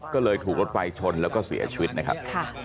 ก็เลยถูกรถไฟชนแล้วก็เสียชีวิตนะครับ